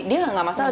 dia enggak masalah